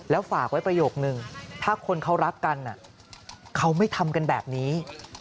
แล้วฝากไว้ประโยคนึงถ้าคนเขารักกันเขาไม่ทำกันแบบนี้